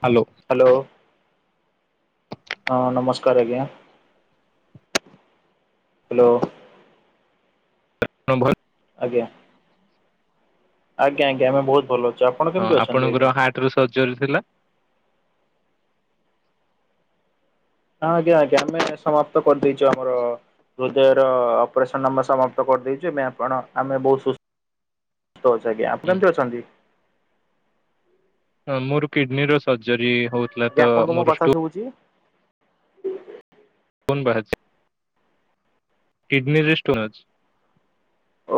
Hello. Hello ହଁ ନମସ୍କାର ଆଜ୍ଞା। ହାଲୋ। [inaudible] ଆଜ୍ଞା ଆଜ୍ଞା ଆଜ୍ଞା ଆମେ ବହୁତ ଭଲ। ଅଛୁ ଆପଣ ହଁ କେମିତି ଅଛନ୍ତି ଆଜ୍ଞା ଆପଣଙ୍କର ହାର୍ଟ ରୁ ସର୍ଜରୀ ଥିଲା। ହଁ ଆଜ୍ଞା ଆଜ୍ଞା ଆମେ ସମାପ୍ତ କରିଦେଇଛୁ, ଆମର ହୃଦୟର ଅପରେସନ ଆମର ସମାପ୍ତ କରିଦେଇଛୁ ଆପଣ ଆମେ ବହୁତ ସୁସ ଅଛି ଆଜ୍ଞା ଆପଣ କେମିତି ଅଛନ୍ତି? ମୋର କିଡନୀର ସର୍ଜରୀ ହଉଥିଲା ଆଜ୍ଞା ତ ଆପଣଙ୍କୁ ମୋ ମୋର କଥା ଷ୍ଟୁ ଶୁଭୁଛି ଷ୍ଟୋନ ବାହାରିଚି। କିଡ଼ନୀରେ ଷ୍ଟୋନ ଅଛି।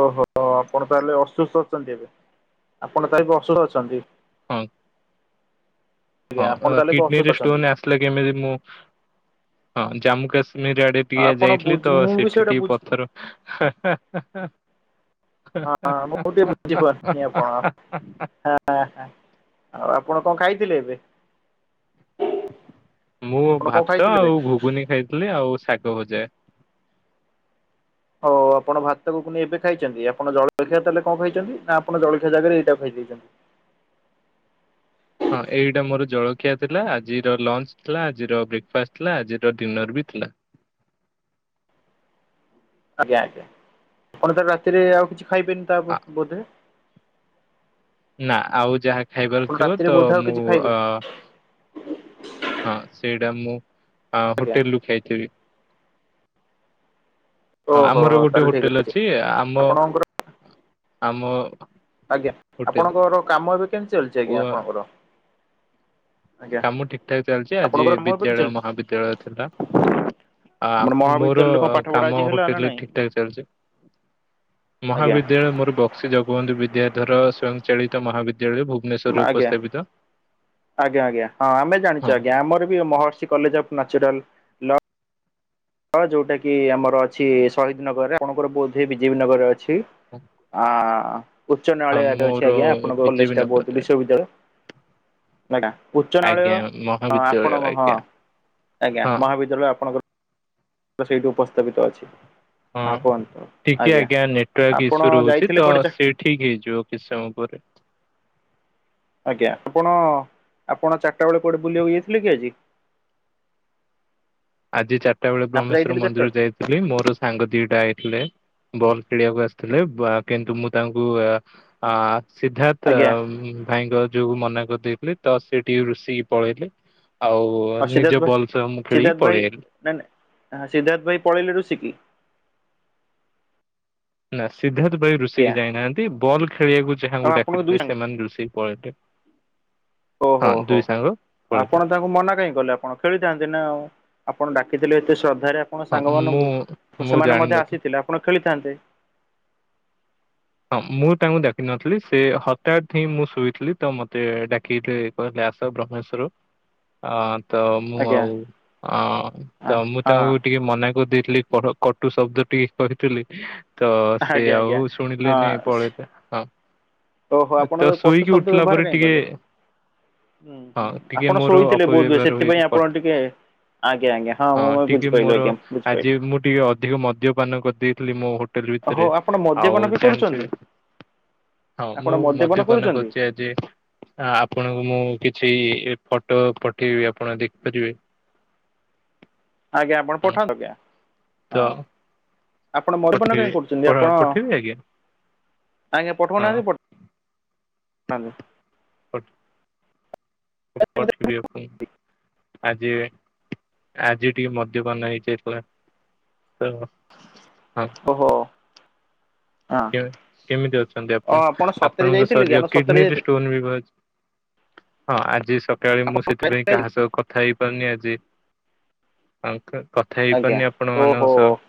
ଓହୋ ଆପଣ ତାହେଲେ ଅସୁସ୍ଥ ଅଛନ୍ତି ଏବେ? ଆପଣ ତ ବି ଅସୁସ୍ଥ ଅଛନ୍ତି? ହଁ। ଆଜ୍ଞା ଆପଣ ହଁ ତାହେଲେ ଏବେ ଅସୁସ୍ଥ କିଡନୀରେ ଅଛନ୍ତି ଷ୍ଟୋନ ଆସିଲେ କେମିତି? ମୁଁ ହଁ ଜାମ୍ମୁ କାଶ୍ମ ନୀରି ଆଡେ ଟିକେ ଆପଣ ଯାଇଥିଲି ବୁଝି ତ ମୁଁ ବି ସେଠି ସେଇଟା ଟିକେ ବୁଝି ପଥର ହା-ହା-ହା ହଁ ମୁଁ ଟିକେ ବୁଝିପାରୁନି ଆପଣ ହା - ହା। ଆଉ ଆପଣ କଣ ଖାଇଥିଲେ ଏବେ? ମୁଁ ଆପଣ କଣ ଭାତ ଖାଇଥିଲେ ଏବେ ଆଉ ଘୁଗୁନି ଖାଇଥିଲି ଆଉ ଶାଗ ଭଜା। ହଉ ଆପଣ ଭାତ ଘୁଗୁନି ଏବେ ଖାଇଛନ୍ତି, ଆପଣ ଜଳଖିଆ ତାହେଲେ କଣ ଖାଇଛନ୍ତି? ନା ଆପଣ ଜଳଖିଆ ଜାଗାରେ ଏଇଟା ଖାଇଛନ୍ତି। [unintelligible] ହଁ ଏଇଟା ମୋର ଜଳଖିଆ ଥିଲା, ଆଜିର ଲଞ୍ଚ ଥିଲା, ଆଜିର ବ୍ରେକ୍ଫାଷ୍ଟ ଥିଲା, ଆଜିର ଡିନର ବି ଥିଲା। [inaudible] ଆଜ୍ଞା ଆଜ୍ଞା। ଆପଣ ତ ରାତିରେ ଆଉ କିଛି ଖାଇବେନି ତା ବୋଧ? ନା ଆଉ ଯାହା ଖାଇବାର ଆପଣ ଥିବ ରାତିରେ ତ ବୋଧେ ଆଉ କିଛି ମୁଁ ଅ ଖାଇବେନି। ହଁ ସେଇଟା ମୁଁ ଆଜ୍ଞା ହୋଟେଲରୁୁ ଖାଇଥିବି। ହଁ ଓହୋ ଆମର ହୋ ଗୋଟେ ତାହେଲେ ଠିକ ହୋଟେଲ ଅଛି। ଆମ ଆପଣଙ୍କର ଆମ ଆଜ୍ଞା ହୋଟେଲ ଆପଣଙ୍କର କାମ ଏବେ କେମିତି ଚାଲିଛି ଓ ଆଜ୍ଞା ଆପଣଙ୍କର? ଆଜ୍ଞା କାମ ଠିକ ଠାକ ଚାଲିଛି ଆଜି ଆପଣଙ୍କର କାମ ଏବେ କେମିତି ବିଦ୍ୟାଳୟ ଚାଲିଛି? ମହାବିଦ୍ୟାଳୟ ଥିଲା। ଆମର ଆ ମୋର ମହାବିଦ୍ୟାଳୟରେ କଣ ପାଠ ପଢା ଆଜି କାମ ହେଲା ନା ହୋଟେଲରେ ନାଇଁ ଠିକ ଠାକ ଚାଲିଛି। ଆଜ୍ଞା ମହାବିଦ୍ୟାଳୟ ମୋର ବକ୍ସି ଜଗବନ୍ଧୁ ବିଦ୍ୟାଧର ସ୍ଵୟଂଚାଳିତ ମହାବି ବିଦ୍ୟାଳୟ ଭୁବନେଶ୍ୱରରେ ଆଜ୍ଞା ଉପସ୍ଥାପିତ। ଆଜ୍ଞା ଆଜ୍ଞା ହଁ ଆମେ ହଁ ଜାଣିଛୁ ଆଜ୍ଞା ଆମର ବି Maharshi college of natural law ହଁ ଯୋଉଟା କି ଆମର ଅଛି ଶହୀଦ ନଗରରେ। ଆପଣଙ୍କର ବୋଧ୍ ହୁଏ ବିଜେପି ନଗରରେ ଅଛି। ଛି ଆ ଉଚ୍ଚ ହଁ ନ୍ୟାୟାଳୟ ଆଡେ ମୋର ଅଛି ଆଜ୍ଞା। ଆପଣଙ୍କ କଲେଜ ବିଜେପି ଟା ବୋଧ ହୁଏ ନଗରରେ ବିଶ୍ୱବିଦ୍ୟାଳୟ। [unintelligible] ଉଚ୍ଚ ନ୍ୟାୟାଳୟ ଆଜ୍ଞା ମହାବିଦ୍ୟାଳୟ ଆପଣଙ୍କ ହଁ। ଆଜ୍ଞା ଆଜ୍ଞା ହଁ ମହାବିଦ୍ୟାଳୟ ଆପଣଙ୍କର ସେଇଠି ଉପସ୍ଥାପିତ ଅଛି ହଁ କୁହନ୍ତୁ ଟିକେ ଆଜ୍ଞା ନେଟୱାର୍କ ଆପଣ ଇସ୍ୟୁ ରହୁଛି ଯାଇଥିଲେ ତ କୁଆଡେ ଚା ସେ ଠିକ ହେଇଯିବ କିଛି ସମୟ ପରେ। ଆଜ୍ଞା ଆପଣ ଆପଣ ଚାରିଟା ବେଳେ କୁଆଡ଼େ ବୁଲିବାକୁ ଯାଇଥିଲେ କି ଆଜି? ଆଜି ଚାରିଟା ବେଳେ ଆପଣ ବ୍ରହ୍ମେଶ୍ଵର ଯାଇଥିଲେ ଚାରିଟା ମନ୍ଦିର ବେଳେ ଯାଇଥିଲି। ମୋର ସାଙ୍ଗ ଦିଟା ଆଇ ଥିଲେ ବଲ୍ ଖେଳିବାକୁ ଆସିଥିଲେ କିନ୍ତୁ ମୁଁ ତାଙ୍କୁ ଆ ସିଦ୍ଧାର୍ଥ ଆଜ୍ଞା ଭାଇଙ୍କ ଯୋଉ ମନା କରିଦେଇଥିଲେ ତ ସେ ଟିକେ ରୁଷିକି ପଳେଇଲେ। ଆଉ ସିଦ୍ଧାର୍ଥ ନିଜ ଭାଇ ବଲ୍ ସହ ମୁଁ ଖେଳି ସିଦ୍ଧାର୍ଥ ଭାଇ ନା ନାଇ ସିଦ୍ଧାର୍ଥ ଭାଇ ପଳେଇଲେ ରୁଷିକି? ନା ସିଦ୍ଧାର୍ଥ ଭାଇ ରୁଷିକି ଆଜ୍ଞା ଯାଇନାହାନ୍ତି। ବଲ୍ ଖେଳିବାକୁ ଆଉ ଯାହାଙ୍କୁ ଆପଣଙ୍କ ଦୁଇ ଡାକିଥିଲେ ସାଙ୍ଗ ସେମାନେ ରୁଷିକି ପଲେଇଲେ। ଓହୋ ହୋ ଆପଣ ତାଙ୍କୁ ମନା କାହିଁ କଲେ? ଆପଣ ଖେଳିଥାନ୍ତି ନା ଆଉ ଆପଣ ଡା ଖିଥିଲେ ଏତେ ଶ୍ରଦ୍ଧା ରେ ଆପଣଙ୍କ ହଁ ସାଙ୍ଗ ମୁଁ ମାନଙ୍କୁ ମୁଁ ସେମାନେ ମଧ୍ୟ ଜାଣିନଥିଲି। ଆସିଥିଲେ। ଆପଣ ଖେଳିଥାନ୍ତେ। ହଁ ମୁଁ ତାଙ୍କୁ ଡାକିନଥିଲି ସେ ହଠାତ୍ ହିଁ ମୁଁ ଶୋଇଥିଲି ତ ମତେ ଡାକିିଲେ କହିଲେ ଆସ ବ୍ରହ୍ମେଶର କୁ ଆ ତ ମୁଁ ଆଜ୍ଞା ଆଉ ଅ ହଁ ତ ମୁଁ ତାଙ୍କୁ ଟିକେ ମନା କରିଦେଇ ଥିଲି କଟୁ ଶବ୍ଦ ଟିକେ କରିଥିଲି। ତ ସେ ଆଜ୍ଞା ଆଉ ଆଜ୍ଞା। ଲେନି ପଳେଇଲେ। ହଁ ହଁ ଓହୋ ଏ ଆପଣ ତ କଟୁ ଶୋଇକି ଶବ୍ଦ ଉଠିଲା ବ୍ୟବହାର ପରେ କାହିଁ ଟିକେ କଲେ? ହୁଁ ହଁ ହୁଁ ଟିକେ ଆପଣ ମୋର ଶୋଇଥିଲେ ବୋଧ ହୁଏ ଅପବ୍ୟବହାର ହୋଇ ସେଥିପାଇଁ ଆପଣ କଟି ଟିକେ ଆଜ୍ଞା ଆଜ୍ଞା ହଁ ମୁଁ ଟିକେ ବୁଝିପାରିଲି ମୋର ଆଜ୍ଞା ଆଜି ବୁଝିପାରିଲି ମୁଁ ଟିକେ ଅଧିକ ମଦ୍ୟପାନ କରିଦେଇ ଥିଲି ମୋ ହୋଟେଲ ଭିତରେ, ହଉ ଆପଣ ଆଉ ମଦ୍ୟପାନ ବି କରୁଛନ୍ତି? ଜାଣିଥିବେ ହଁ ଆପଣ ମୁଁ ମଦ୍ୟପାନ କରୁଛନ୍ତି କରୁଛି। ଆଜି ଆପଣଙ୍କୁ ମୁଁ କି କିଛି ଫଟୋ ପଠେଇବି ଆପଣ ଦେଖିପାରିବେ। ଆଜ୍ଞା ଆପଣ ହଁ ପଠାନ୍ତୁ ଆଜ୍ଞା ତ ହଁ। ଆପଣ ମଦ୍ୟପାନ ପଠେଇବେ କାଇଁ କରୁଛନ୍ତି। ଆପଣ ପଠେଇବି ଆଜ୍ଞା ହଁ ଆଜ୍ଞା ପଠଉନାହାନ୍ତି ପଠା ହ୍ୟାଲୋ। ପଠ ପଠେଇବି ଆପଣଙ୍କୁ। ଆଜି ଆଜି ଟିକେ ମଦ୍ୟପାନ ହେଇଯାଇଥିଲା। ତ ହଁ ଓହୋ ହଁ। କେ କେମିତି ଅଛନ୍ତି ଓ ଆପଣ। ସତରେ ଆପଣଙ୍କ ଯାଇଥିଲେ କି ଶରୀର ଆପଣ ସତରେ କିଡନୀରେ ଯାଇଥିଲେ ଷ୍ଟୋନ ବି ବାହାରି ହଁ ଆଜି ସକାଳେ ମୁଁ ଆପଣ ସେଥିପାଇଁ ଯାଇଥିଲେ ଆଜି? କାହା ସହ କଥା ହେଇପାରୁନି ଆଜି ଆ କଥା ଆଜ୍ଞା ହେଇପାରୁନି ଆପଣ ଓହୋ। ମାନଙ୍କ ସହ।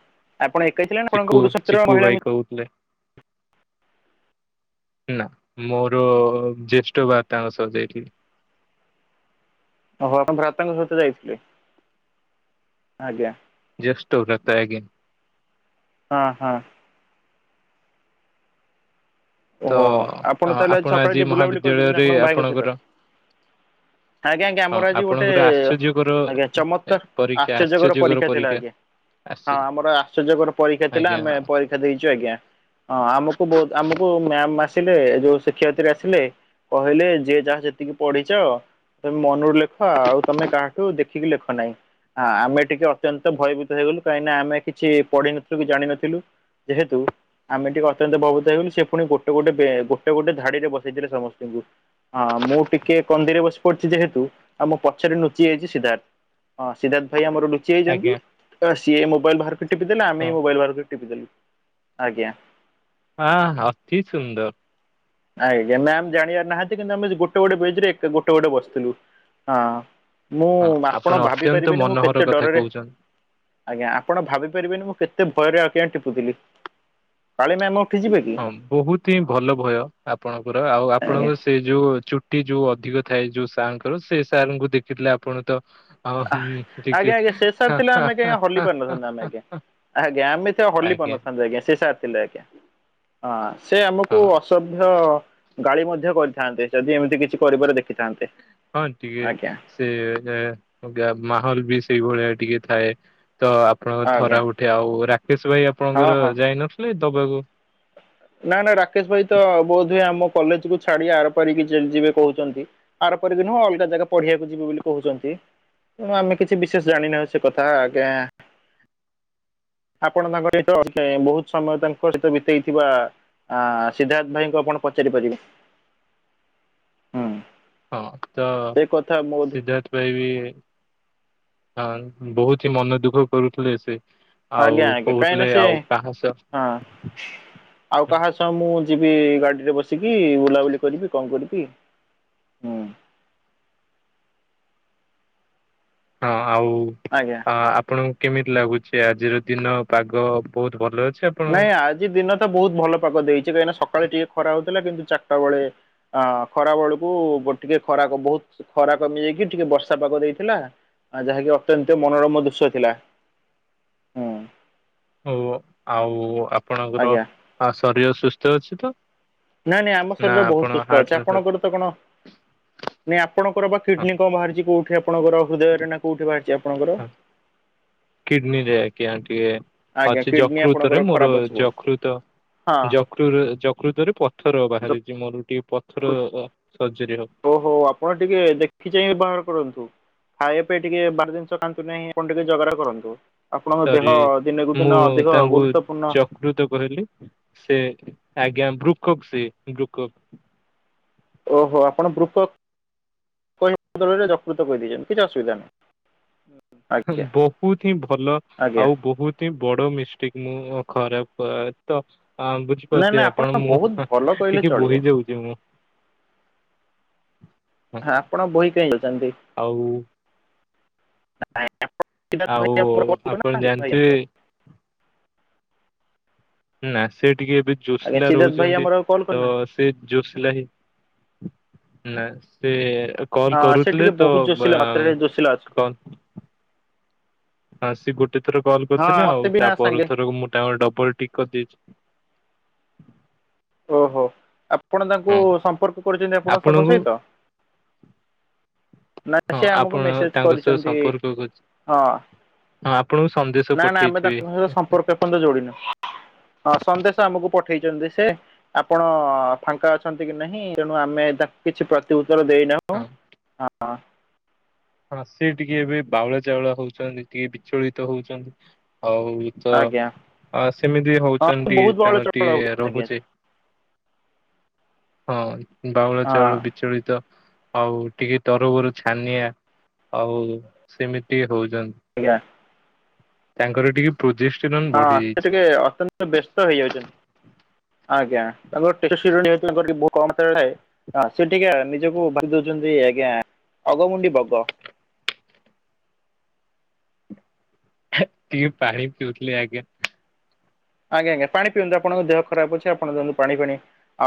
ଆପଣ ଏକା ଥିଲେ ନା ଆପଣଙ୍କ ଚିକୁ ପୁରୁଷ ମିତ୍ର ଚିକୁୁ ମହିଳା ଭାଇ କହୁଥିଲେ। ନା ମୋର ଜ୍ୟେଷ୍ଠ ଭ୍ରାତାଙ୍କ ସହ ଯାଇଥିଲି। [inaudible] ଓହୋ ଆପଣ ଭ୍ରାତାଙ୍କ ସହିତ ଯାଇଥିଲେ। ଆଜ୍ଞା ଜଷ୍ଟ [unintelligible] ହଁ ହଁ। ତ ଓହୋ ତାହେଲେ ଆପଣ ସକାଳେ ଆଜି ଟିକେ ବୁଲାବୁଲି କରିଦେଇଛନ୍ତି ମହାବିଦ୍ୟାଳୟରେ ଆପଣଙ୍କ ଭାଇଙ୍କ ସହିତ। ଆପଣଙ୍କର ଆଜ୍ଞା ଆଜ୍ଞା ହଁ ଆମର ଆଜି ଗୋଟେ ଆପଣଙ୍କର ଆଶ୍ଚର୍ଯ୍ୟକର ଆଜ୍ଞା ଚମତ୍କାର ଆଶ୍ଚର୍ଯ୍ୟକର ପରୀକ୍ଷା ଥିଲା ଆଜ୍ଞା। ହଁ ଆଶ୍ଚର୍ଯ୍ୟ ଆମର ଆଶ୍ଚର୍ଯ୍ୟକର ପରୀକ୍ଷା ଥିଲା ଆଜ୍ଞା ଆମେ ପରୀକ୍ଷା ଦେଇଛୁ ଆଜ୍ଞା ହଁ ଆମକୁ ବହୁତ ଆମକୁ ଓ ମ୍ୟାମ ଆସିଲେ ଯୋଉ ଶିକ୍ଷୟିତ୍ରୀ ଆସିଲେ କହିଲେ ଯିଏ ଯାହା ଯେତିକି ପଢିଛ ତମେ ମନରୁ ଲେଖ ଆଉ ତମେ କାହାଠୁ ଦେଖିକି ଲେଖ ନାହିଁ। ହଁ ଆମେ ଟିକେ ଅତ୍ୟନ୍ତ ଭୟଭୀତ ହେଇଗଲୁ କାହିଁକିନା ଆମେ କିଛି ପଢିିନଥିଲୁ କି ଜାଣିିନଥିଲୁ। ଯେହେତୁ ଆମେ ଟିକେ ଅତ୍ୟନ୍ତ ବହୁତ ହେଇଗଲୁ ସେ ପୁଣି ଗୋଟେ ଗୋଟେ ଗୋଟେ ଗୋଟେ ଧାଡିରେ ବସେଇଥିଲେ ସମସ୍ତଙ୍କୁ ମୁଁ ଟିକେ କନ୍ଦିରେ ବସି ପଡିଛି। ଯେହେତୁ ଆମ ପଛରେ ନୁଚି ଯାଇଛି ସିଦ୍ଧାର୍ଥ ସିଦ୍ଧାର୍ଥ ଭାଇ ଆମର ଲୁଚି ଚିଯାଇଛନ୍ତି ଆଜ୍ଞା ସିଏ ମୋବାଇଲ ବାହାରକୁ ଟିପି ଦେଲେ ତ ଆମେ ହଁ ବି ମୋବାଇଲ ବାହାର କରିକି ଟିପି ଦେଲୁ। ଆଜ୍ଞା। ହଁ ଅତି ସୁନ୍ଦର। ଆଜ୍ଞା ମ୍ୟାମ ଜାଣିବାର ନାହାନ୍ତି କିନ୍ତୁ ଆମେ ଗୋଟେ ଗୋଟେ ବେଞ୍ଚ ରେ ଏକା ଗୋଟେ ଗୋଟେ ବସିଥିଲୁ। ହଁ ମୁଁ ହଁ ଆପଣ ଭାବି ଅତ୍ୟନ୍ତ ପାରିବେିନି ମୁଁ ମନୋହର କେତେ କଥା ଡରରେ କହୁଛନ୍ତି। ଆଜ୍ଞା ଆପଣ ଭାବି ପାରିବେନି ମୁଁ କେତେ ଭୟରେ ଆଜ୍ଞା ଟିପୁଥିଲି କାଳେ ମ୍ୟାମ ହଁ ବହୁତ ହିଁ ଭଲ ଭୟ ଆପଣଙ୍କର ଆଉ ଆଜ୍ଞା। ଆପଣଙ୍କ ସେଇ ଯୋଉ ଚୁଟି ଯୋଉ। ଅଧିକ ଥାଏ ଯୋଉ ସାର୍ ଙ୍କର ସେ ସାର୍ ଙ୍କୁ ଦେଖିଥିଲେ ଆପଣ ତ ଆ ହୁଁ ଆଜ୍ଞା ଟିକେ ଆଜ୍ଞା ସେ ସାର୍ ଥିଲେ ଆମେ କାଇଁ ହଲି ପାରିନଥାନ୍ତୁ ଆମେ ଆଜ୍ଞା। [unintelligible] ଆଜ୍ଞା ଆମେ ତ ହଲି ପାରିନଥାନ୍ତୁ ଆଜ୍ଞା ସେ ସାର୍ ଥିଲେ ଆଜ୍ଞା ହଁ ସେ ଆମକୁ ହଁ ଅସଭ୍ୟ ଗାଳି ମଧ୍ୟ କରିଥାନ୍ତେ ଯଦି ଏମିତି କିଛି କରିବାର ଦେଖିଥାନ୍ତେ ହଁ ଟିକେ ଆଜ୍ଞା। ସେ ଏ ଗା ମାହୋଲ ବି ସେଇଭଳିଆ ଟିକେ ଥାଏ। ତ ଆପଣଙ୍କ ଥରା ଆଜ୍ଞା ଉଠେ ଆଉ ରାକେଶ ଭାଇ ହଁ ଆପଣଙ୍କର ହଁ ଯାଇନଥିଲେ ଦବାକୁ। ନା ନା ରାକେଶ ଭାଇ ତ ବୋଧ ହୁଏ ଆମ କଲେଜ କୁ ଛାଡି ଆର ପାରିକି ଯିବେ କହୁଛନ୍ତି। ଆପାରି ନୁହଁ ଅଲଗା ଜାଗା ପଢିବାକୁ ଯିବି ବୋଲି କହୁଛନ୍ତି। ତେଣୁ ଆମେ କିଛି ବିଶେଷ ଜାଣିନାହୁ ସେ କଥା ଆଜ୍ଞା। ଆପଣ ତାଙ୍କ ସହିତ ବହୁତ ସମୟ ତାଙ୍କ ସହିତ ବିତେଇଥିବା। ଆ ସିଦ୍ଧାର୍ଥ ଭାଇଙ୍କୁ ଆପଣ ପଚାରି ପାରିବେ ହୁଁ। ହଁ ତ ସେ କଥା ବହୁତ ସିଦ୍ଧାର୍ଥ ପାଇଁ ବି ହଁ ବହୁତ ହିଁ ମନ ଦୁଃଖ କରୁଥିଲେ ସେ ଆଉ ଆଜ୍ଞା ଆଜ୍ଞା କାହିଁ ନା କହୁଥିଲେ ସେ ଆଉ କାହା ସହ ହଁ ଆଉ ହଁ କାହା ସହ ମୁଁ ଯିବ। ଗାଡିରେ ବସିକି ବୁଲାବୁଲି କରିବି କଣ କରିବି ହୁଁ। ହଁ ଆଉ ଆଜ୍ଞା ଆପଣ କେମିତି ଲାଗୁଚି ଆଜିର ଦିନ ପାଗ ବହୁତ ଭଲ ଅଛି? ଆପଣ ନାଇଁ ଆଜି ଦିନ ତ ବହୁତ ଭଲ ପାଖ ଦେଇଛି କାହିଁକିନା ସକାଳେ ଟିକେ ଖରା ହଉଛି। ଥିଲା କିନ୍ତୁ ଚାରିଟା ବେଳେ ଅ ଖରା ବେଳକୁ ଟିକେ ଖରାକ ବହୁତ ଖରା କମିଯାଇକି ଟିକେ। ବର୍ଷା ପାଗ ଦେଇଥିଲା ଯାହାକି ଅତ୍ୟନ୍ତ ମନୋରମ ଦୃଶ୍ୟ ଥିଲା। ହୁଁ ଓ ଆଉ ଆପଣଙ୍କର ଆଜ୍ଞା ଶରୀର ସୁସ୍ଥ ଅଛି ତ ନାଇଁ ନାଇଁ ଆମ ନା ଶରୀର ଆପଣ ବହୁତ ସୁସ୍ଥ ହାର୍ଟ ଅଛି ଆପଣଙ୍କର ତ କଣ? ନାଇଁ ଆପଣଙ୍କର ବା କିଡନୀ ହଁ କଣ ବାହାରିଛି କୋଉଠି ଆପଣଙ୍କର ହୃଦୟରେ ନା କୋଉଠି ବାହାରିଛି ଆପଣଙ୍କର କିଡନୀ [unintelligible] ଟିକେ ଆଜ୍ଞା ଅଛି କିଡନୀ ଯକୃତରେ ଆପଣଙ୍କର ମୋର ଖରାପ ଅଛି ଯକୃତ ବହୁତ ଯକୃ ଯକୃତ ରେ ପଥର ବାହାରିଛି ମୋର ଟିକେ ପଥର ସର୍ଜରୀ ହବ ଓ ହୋ ଆପଣ ଟିକେ ଦେଖି ଚାହି ବାହାର କରନ୍ତୁ। ଖାଇବା ପାଇଁ ଟିକେ ବାର ଜିନିଷ ଖାଆନ୍ତୁ ନାହିଁ କଣ ଟିକେ ଜଗା କରନ୍ତୁ। ଆପଣଙ୍କ ଦେହ ସରି ଦିନକୁ ଦିନ ମୁଁ ଅଧିକ ତାଙ୍କୁ ଗୁରୁତ୍ୱପୂର୍ଣ୍ଣ ଚକୃତ କହିଲି ସେ ଆଜ୍ଞା ବୃକ୍ଷକ ସେ ବୃକ୍ଷକ। ଓହୋ ଆପଣ ବୃପ ରେ ଯକୃତ କହିଦାଏକନ୍ତି କିଛି ଅସୁିଧା ନହି। ବହୁତ ହିଁ ଭଲ ଆଜ୍ଞା ଆଉ ବହୁତ ହିଁ ବଡ ମିଷ୍ଟିକ। ମୁଁ ଖରାପ ତ ହଁ ନା ନା ବୁଝିପାରୁଥିବେ ଆପଣ ବହୁତ ମୁଁ ଭଲ କହିଲେ ଟିକେ ଚଳିବ ବୋହି ଦଉଛି ମୁଁ। ହ ଆପଣ ବହି କେହି ଅାଉଛନ୍ତି। ଆଉ ଆଉ ଆପଣ ଜାଣିଥିବେ [unintelligible] ନା ସେ ଟିକେ ଏବେ ଆଜ୍ଞା ଜୋସିଲା ସିଦ୍ଧାର୍ଥ ଭାଇ ରହୁଛନ୍ତି ଆମର ଆଉ କଲ୍ ତ କରିନାହାନ୍ତି। ସେ ଜୋସିଲା ହିଁ ନା ସେ କଲ ହଁ ସେ କରୁଥିଲେ ଟିକେ ତ ବହୁତ ଜୋସିଲା ମାତ୍ରାରେ ଜୋସିଲା ଅଛି କ ହଁ ସି ଗୋଟେ ଥର କଲ୍ ହଁ କରିଥିଲେ ମତେ ଆଉ ବି ତା ନା ପର ସାଙ୍ଗେ ଥର ମୁଁ ତାଙ୍କର ଡବଲ ଠିକ କରିଦେଇଛି [inaudible] ଓହୋ ଆପଣ ତାଙ୍କୁ ହଁ ସମ୍ପର୍କ କରୁଛନ୍ତି ଆପଣଙ୍କ ସାଙ୍ଗ ଆପଣଙ୍କୁ ସହିତ। ନା ହଁ ସେ ଆମକୁ ଆପଣ ମେସେଜ ତାଙ୍କ ସହ କରିଛନ୍ତି ସମ୍ପର୍କ କରୁଛି ହଁ। ହଁ ଆପଣଙ୍କୁ ସନ୍ଦେଶ ନାଇ ନା ଆମେ ତାଙ୍କ ପଠେଇଥିବେ ସହିତ ସମ୍ପର୍କ ଏ ପର୍ଯ୍ୟନ୍ତ ଯୋଡିିନୁ। ହଁ ସନ୍ଦେଶ ଆମକୁ ପଠେଇ ଉଠେଇଛନ୍ତି ସେ ଆପଣ ଫାଙ୍କା ଅଛନ୍ତି କି ନାହିଁ ତେଣୁ ଆମେ ତା କିଛି ପ୍ରତି ର ଦେଇନାହୁଁ ହଁ। ହଁ। ହଁ ସେ ଟିକେ ଏବେ ବାଉଳ ଚାଉଳ ହଉଛନ୍ତି ଟିକେ ବିଚଳିତ ହଉଛନ୍ତି। ହଉ ଇଏ ତ ଆଜ୍ଞା ଆ ସେମିତି ହଁ ହଉଛନ୍ତି ବହୁତ ବହଳ ତାଙ୍କର ଚହଳ ଟିକେ ହଉଛନ୍ତି ଆଜ୍ଞା ରହୁଛି ସେ। ହଁ ବାଉଳ ହଁ ଚାଉଳ ବିଚଳିତ ଆଉ ଟିକେ ତରବରୁ ଛାନିଆ ଆଉ ସେମିତି ହଉଛି। ଆଜ୍ଞା। ତାଙ୍କର ଟିକେ ପ୍ରଚଷ୍ଟ ହଁ ସେ ଟିକେ ଅତ୍ୟନ୍ତ ବ୍ୟସ୍ତ ହେଇଯାଉଛନ୍ତି। ଆଜ୍ଞା ତାଙ୍କରର ବ କଥାଏଁ ସେ ଟିକେ ନିଜକୁ ଭାବି ଦଉଛନ୍ତି। ଆଜ୍ଞ ଅଗ ମୁଣ୍ଡି ବଗ। [inaudible] ଟିକେ ପାଣି ପିଉଥିଲି ଆଜ୍ଞା। ଆଜ୍ଞା ଆଜ୍ଞା ପାଣି ପିଅନ୍ତୁ ଆପଣଙ୍କ ଦେହ ଖରାପ ଅଛି ଆପଣଙ୍କ ଦେନ୍ତୁ ପାଣି ପାଣି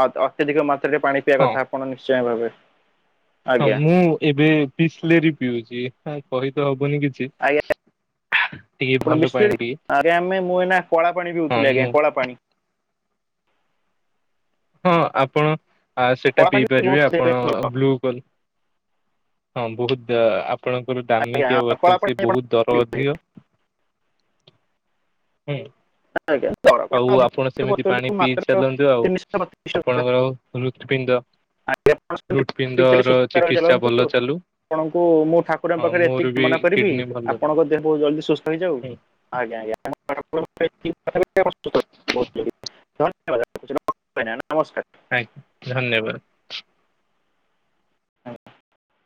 ଅତ୍ୟଧିକ ରେ ପାଣି ପିଇବା ହଁ। କଥା ଆପଣ ନିଶ୍ଚୟ ଭାବେ ହଁ ଆଜ୍ଞା ମୁଁ ଏବେ ବିସଲେରି ପିଉଛି କହି ତ ହବ ବନି କିଛି। ଆଜ୍ଞା ଟିକେ ଆପଣ ଭଲ ପାଣି ବିଶିଲାରୀ ଟିକେ ଅରେ ଆମେ ମୁଁ ଏନା କଳା ପାଣି ହଁ ପିଉଥିଲି ଆଜ୍ଞା ମୁଁ କଳା ପାଣି। ହଁ ଆପଣ ଆ ସେଇଟା କଳା ପାଣି ବି ପିଇପାରିବେ ବହୁତ ଦେହ ପାଇଁ ଆପଣ ଭଲ ବ୍ଲୁ କ ହଁ ବହୁତ ଆପଣଙ୍କର ଦାମୀ ଆଜ୍ଞା କିଆ କଳା ବୋତଲ ସେ ପାଣି ଆପଣ ବହୁତ ଦର ପିଉଥିବେ। ଅଧିକ ହୁଁ। ଆଜ୍ଞ ଆଉ ଆପଣ ସେମିତି ପାଣି ପିଇ ମାତ୍ର ଚାଲନ୍ତୁ ଆଉ ତିନିଶହତିଶ ଟଙ୍କା ଆପଣଙ୍କର ହୃତପିଣ୍ଡ ହୃତପିଣ୍ଡ ର ଆସ୍ଥ ଚିକିତ୍ସା ଭଲ ରହିନ୍ତୁ ଚାଲୁ। ଆପଣ ମୁଁ ଠାକୁ ଠାକୁରଙ୍କ ହଁ ପାଖରେ ମୋର ଏତିକି ବି କାମନା କରିବି କିଡନୀ ଭଲ ନାହିଁ ଆପଣଙ୍କ ଦେହ ବହୁତ ଜଲଦି ସୁସ୍ଥ ହେଇଯାଉ ଆଜ୍ଞା ଆଜ୍ଞା। ଧନ୍ୟବା ନମସ୍କାର [unintelligible] ଆଜ୍ଞା ଧନ୍ୟବାଦ। [unintelligible]